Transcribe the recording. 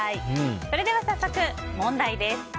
それでは早速問題です。